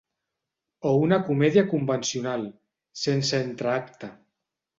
O una comèdia convencional, sense entreacte.